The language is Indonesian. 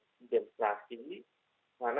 semangat mengumpulkan demokrasi yaitu berharga